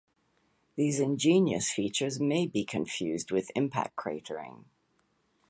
These igneous features may be confused with impact cratering.